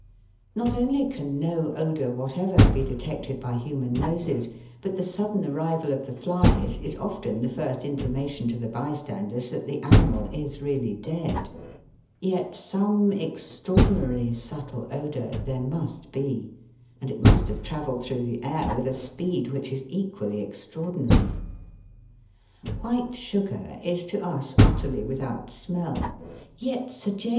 Not only can no odour whatever be detected by human noses, but the sudden arrival of the flies is often the first intimation to the bystanders that the animal is really dead ; yet some extraordinarily subtle odour there must be, and it must have travelled through the air with a speed which is equally extraordinary. White sugar is to us utterly without smell, yet Sir J.